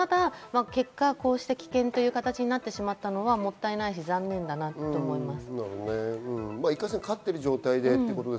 結果、棄権という形になってしまったのはもったいないし残念だと思います。